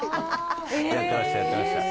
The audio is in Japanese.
やってました